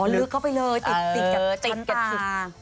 อ๋อลึกเข้าไปเลยติดกับช้อนตา